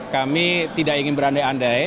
kami tidak ingin berandai andai